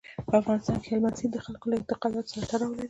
په افغانستان کې هلمند سیند د خلکو له اعتقاداتو سره تړاو لري.